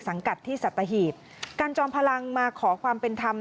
กัดที่สัตหีบการจอมพลังมาขอความเป็นธรรม